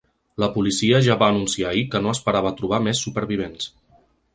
La policia ja va anunciar ahir que no esperava trobar més supervivents.